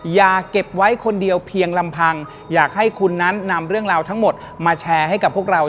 อย่าเก็บไว้คนเดียวเพียงลำพังอยากให้คุณนั้นนำเรื่องราวทั้งหมดมาแชร์ให้กับพวกเรา